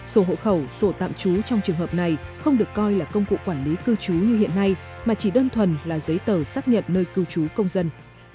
sổ hộ khẩu sổ tạm trú trong trường hợp này không được coi là công cụ quản lý cư trú như hiện nay mà chỉ đơn thuần là giấy tờ xác nhận nơi cư trú công dân